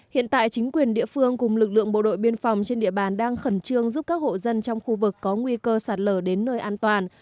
hiện tại chính quyền địa phương cùng lực lượng bộ đội biên phòng trên địa bàn đang khẩn trương giúp các hộ dân trong khu vực có nguy cơ sạt lở đến nơi an toàn